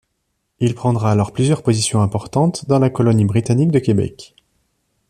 Il prendra alors plusieurs positions importantes dans la colonie britannique de Québec.